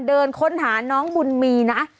เดินค้นหาน้องบุญมีนะ